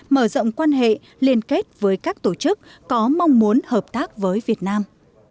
mở rộng quan hệ liên kết với các tổ chức có mong muốn hợp tác với việt nam